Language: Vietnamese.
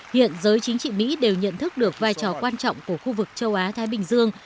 hiện giới chính trị mỹ đều nhận thức được vai trò quan trọng của khu vực châu á thái bình dương